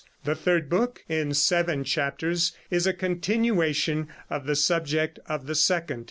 The third book, in seven chapters, is a continuation of the subject of the second.